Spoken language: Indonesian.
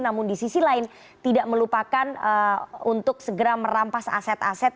namun di sisi lain tidak melupakan untuk segera merampas aset aset